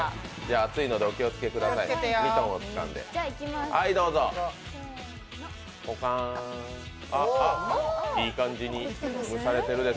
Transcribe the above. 熱いのでお気をつけください、ミトンをつかんで。